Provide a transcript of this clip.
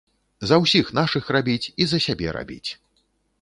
За ўсіх нашых рабіць і за сябе рабіць.